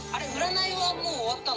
占いはもう終わったの？